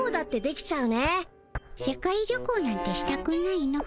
世界旅行なんてしたくないの。